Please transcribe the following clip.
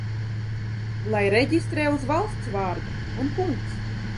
Lai reģistrē uz valsts vārda, un punkts!